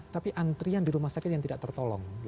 tapi antrian di rumah sakit yang tidak tertolong